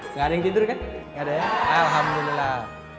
enggak ada yang tidur kan enggak ada ya alhamdulillah